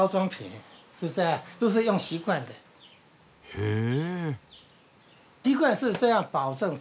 へえ。